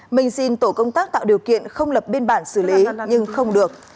mình xin tổ công tác tạo điều kiện không lập biên bản xử lý nhưng không được